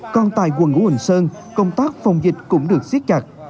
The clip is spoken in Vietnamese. còn tại quần ngũ hồn sơn công tác phòng dịch cũng được xiết chặt